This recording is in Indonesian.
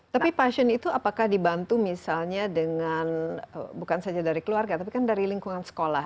tapi passion itu apakah dibantu misalnya dengan bukan saja dari keluarga tapi kan dari lingkungan sekolah